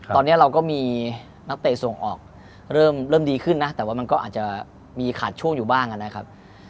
ตอนนี้เราก็มีนักเตะส่งออกเริ่มดีขึ้นนะแต่ว่ามันก็อาจจะมีขาดช่วงอยู่บ้างนะครับ